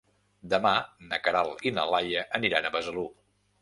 Demà na Queralt i na Laia aniran a Besalú.